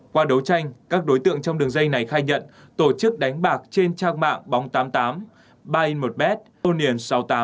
qua đấu tranh các đối tượng trong đường dây này khai nhận tổ chức đánh bạc trên trang mạng bóng tám mươi tám bi một bonnion sáu mươi tám